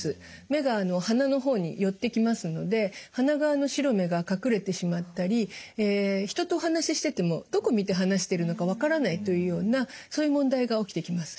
目が鼻の方に寄ってきますので鼻側の白目が隠れてしまったり人とお話ししててもどこ見て話しているのか分からないというようなそういう問題が起きてきます。